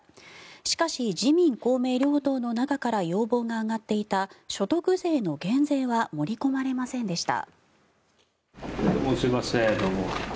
しかし、自民・公明両党の中から要望が上がっていた所得税の減税は盛り込まれませんでした。